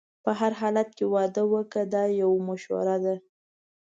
په هر حالت کې واده وکړه دا یو مشوره ده.